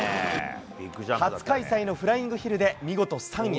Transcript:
初開催のフライングヒルで見事３位。